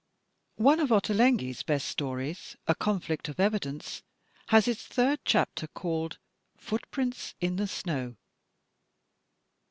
One of Ottolengui's best stories, " A Conflict of Evidence," has its third chapter called "Footprints in the Snow."